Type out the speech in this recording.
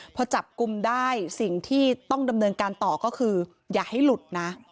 พอจับกลุ่มได้สิ่งที่ต้องดำเนินการต่อก็คืออย่าให้หลุดนะ